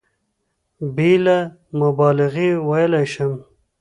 بېله مبالغې ویلای شم.